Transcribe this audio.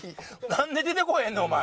なんで出てこうへんねんお前。